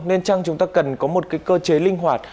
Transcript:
nên chăng chúng ta cần có một cái cơ chế linh hoạt